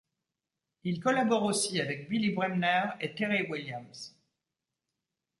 Il collabore aussi avec Billy Bremner et Terry Williams.